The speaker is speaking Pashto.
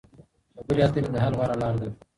خبرې اترې د حل غوره لار ده.